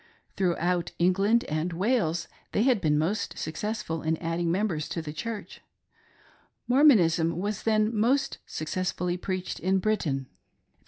Throughout England and Wales they had been most successful in adding members to the Church. Mormon ism was then most successfully preached in Britain. There HOW they kept the secret.